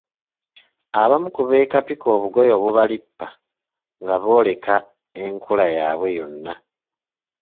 Abamu beekapika obugoye obubalippa nga bw‘oleka enkula yaabwe yonna.